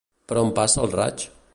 Per on passa el raig?